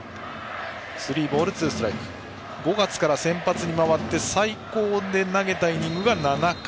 ５月から先発に回って最高で投げたイニングが７回。